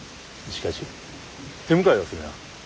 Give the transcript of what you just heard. しかし手向かいはするな。